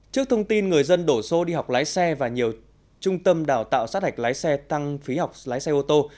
trước thông tin người dân đổ xô đi học lái xe và nhiều trung tâm đào tạo sát hạch lái xe tăng phí học lái xe ô tô